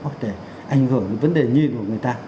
có thể ảnh hưởng đến vấn đề nhi của người ta